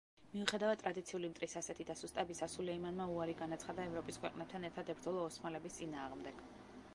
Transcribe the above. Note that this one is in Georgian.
მიუხედავად ტრადიციული მტრის ასეთი დასუსტებისა, სულეიმანმა უარი განაცხადა ევროპის ქვეყნებთან ერთად ებრძოლა ოსმალების წინააღმდეგ.